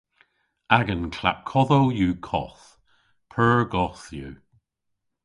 Agan klapkodhow yw koth. Pur goth yw.